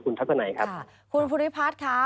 คุณทัศนัยครับคุณพุทธิพัฒน์คะ